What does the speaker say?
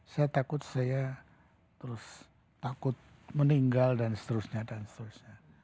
saya takut saya terus takut meninggal dan seterusnya dan seterusnya